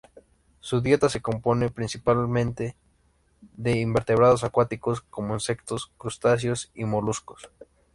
Su dieta se compone principalmente de invertebrados acuáticos como insectos, crustáceos y moluscos.